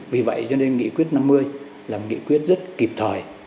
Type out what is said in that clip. vì vậy cho nên nghị quyết năm mươi là nghị quyết rất kịp thời